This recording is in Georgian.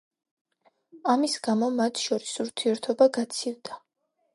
ამის გამო მათ შორის ურთიერთობა გაცივდა.